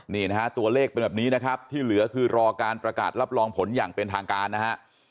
นี่นะฮะตัวเลขเป็นแบบนี้นะครับที่เหลือคือรอการประกาศรับรองผลอย่างเป็นทางการนะฮะ